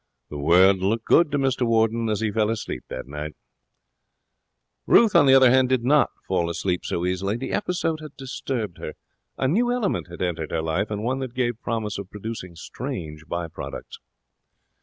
The world looked good to Mr Warden as he fell asleep that night. Ruth did not fall asleep so easily. The episode had disturbed her. A new element had entered her life, and one that gave promise of producing strange by products.